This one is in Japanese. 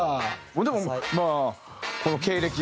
でもまあこの経歴。